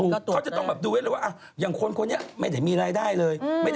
เขาจะต้องดูว่าอย่างคนนี้ไม่ได้มีรายได้เลย